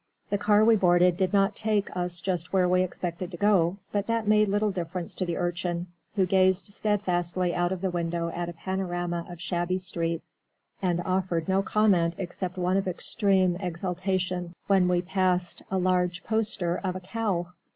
The car we boarded did not take us just where we expected to go, but that made little difference to the Urchin, who gazed steadfastly out of the window at a panorama of shabby streets, and offered no comment except one of extreme exultation when we passed a large poster of a cow.